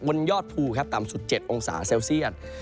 วนยอดภูต่ำสุด๗องศาเซลเซียต